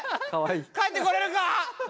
帰ってこれるか？